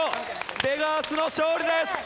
ベガーズの勝利です！